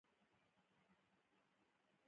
ښارونه د افغانستان طبعي ثروت دی.